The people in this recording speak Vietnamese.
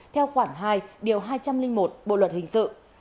theo khoảng hai hai trăm linh một bộ luật hình sự